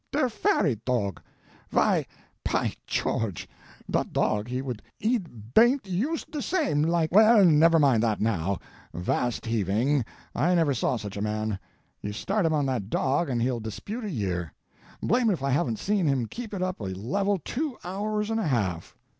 —der fery dog. Wy, py Chorge, dot dog he would eat baint yoost de same like—" "Well, never mind that, now—'vast heaving—I never saw such a man. You start him on that dog and he'll dispute a year. Blamed if I haven't seen him keep it up a level two hours and a half."